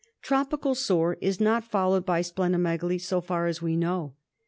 Tropical Sore is not followed by spleno megaly, so far as we know.